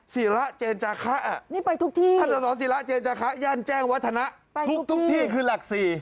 สีระเจนจาคะท่านส่อสีระเจนจาคะแย่นแจ้งวัฒนาทุกที่คือหลักสี